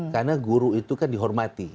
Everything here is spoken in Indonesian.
karena guru itu kan dihormati